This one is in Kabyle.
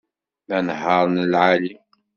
D anehhar n lεali